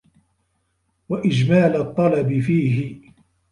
وَإِجْمَالَ الطَّلَبِ فِيهِ